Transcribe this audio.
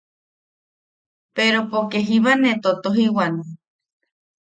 Pero poke jiba ne totojiwan.